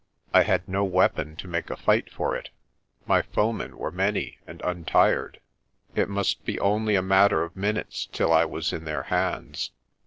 I had no weapon to make a fight for it. My foemen were many and untired. It must be only a matter of minutes till I was in their hands.